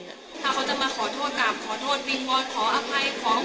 ถ้าเขาจะมาขอโทษกลับขอโทษวิงวอนขออภัย